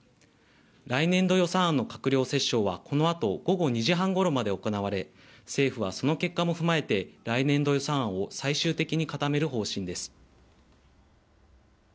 来年度予算案の閣僚折衝はこのあと午後２時半ごろまで行われ政府はその結果も踏まえて来年度予算案を最終的に固める方針です。